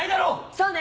そうね！